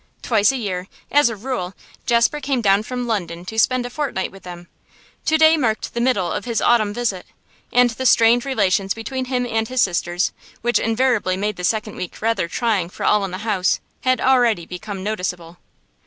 Twice a year, as a rule, Jasper came down from London to spend a fortnight with them; to day marked the middle of his autumn visit, and the strained relations between him and his sisters which invariably made the second week rather trying for all in the house had already become noticeable.